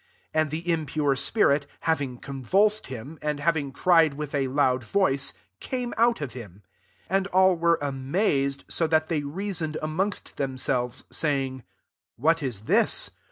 ^' 26 And the impure spirit, having convulsed him, and having cried with a loud voice, came out of him. 27 And all were amazed, so that they reasoned amongst themselves, saying. " What is this